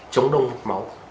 chống đông mục máu